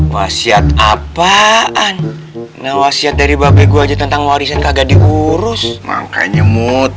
wasiat apaan ngawasnya dari babegu aja tentang warisan kagak diurus makanya mood